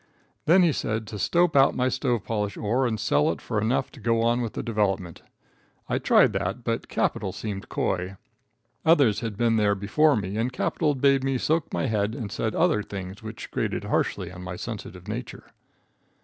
Then he said to stope out my stove polish ore and sell it for enough to go on with the development. I tried that, but capital seemed coy. Others had been there before me and capital bade me soak my head and said other things which grated harshly on my sensitive nature.